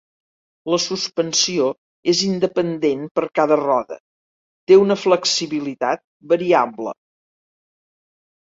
La suspensió és independent per cada roda, té una flexibilitat variable.